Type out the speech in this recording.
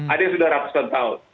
ada yang sudah ratusan tahun